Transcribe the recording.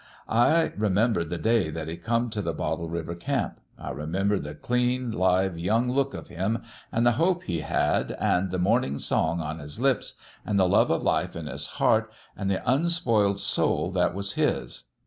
I remembered the day that he come t' the Bottle River camp : I remembered the clean, live, young look of him, an' the hope he had, an' the morning song on his lips, an' the love o' life in his heart, an' the unspoiled soul that was his.